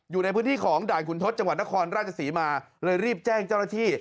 อยู่ในพื้นที่ของด่านขุนทศจังหวัดนครราชศรีมาเลยรีบแจ้งเจ้าหน้าที่